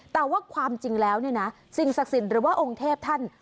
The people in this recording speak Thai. แต่ว่าความจริงแล้วเนี่ยนะสิ่งศักดิ์สิทธิ์หรือว่าองค์เทพท่าน